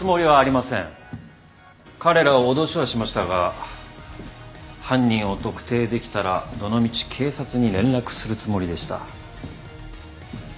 彼らを脅しはしましたが犯人を特定できたらどのみち警察に連絡するつもりでした。